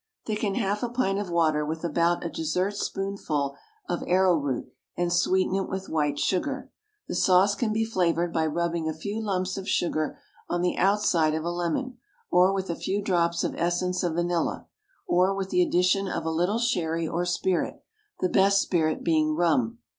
Thicken half a pint of water with about a dessertspoonful of arrowroot and sweeten it with white sugar. The sauce can be flavoured by rubbing a few lumps of sugar on the outside of a lemon, or with a few drops of essence of vanilla, or with the addition of a little sherry or spirit, the best spirit being rum.